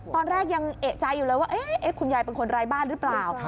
ตอนแรกยังเอกใจอยู่เลยว่าคุณยายเป็นคนร้ายบ้านหรือเปล่า